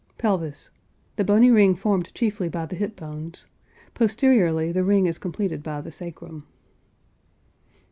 PELVIS. The bony ring formed chiefly by the hip bones. Posteriorly the ring is completed by the sacrum.